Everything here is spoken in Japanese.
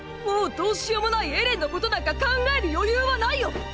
もうどうしようもないエレンのことなんか考える余裕はないよ！！